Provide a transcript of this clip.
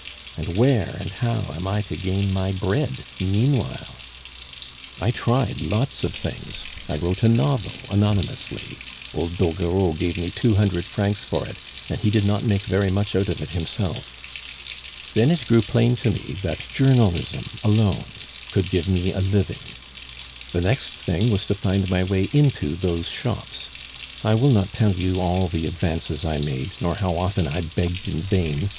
And where and how am I to gain my bread meanwhile? "I tried lots of things; I wrote a novel, anonymously; old Doguereau gave me two hundred francs for it, and he did not make very much out of it himself. Then it grew plain to me that journalism alone could give me a living. The next thing was to find my way into those shops. I will not tell you all the advances I made, nor how often I begged in vain.